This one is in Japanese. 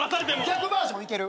逆バージョンいける？